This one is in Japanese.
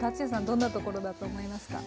どんなところだと思いますか？